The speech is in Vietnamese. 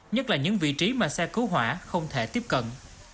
nhất là những vị trí mà xe cứu hỏa không thể tiếp cận